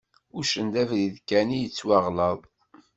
Uccen d abrid kan i yettwaɣlaḍ.